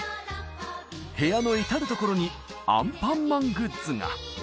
部屋の至る所にアンパンマングッズが。